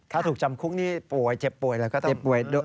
ค่าถูกจำคุกนี่ป่วยเจ็บป่วย